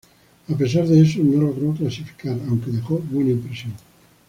A pesar de eso, no logró clasificar, aunque dejó buena impresión.